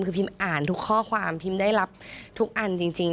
คือพิมอ่านทุกข้อความพิมได้รับทุกอันจริง